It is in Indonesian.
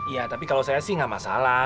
iya tapi kalau saya sih nggak masalah